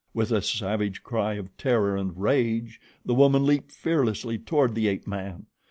With a savage cry of terror and rage, the woman leaped fearlessly toward the ape man.